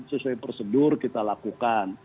sesuai prosedur kita lakukan